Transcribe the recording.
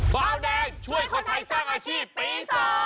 เบาแดงช่วยคนไทยสร้างอาชีพปี๒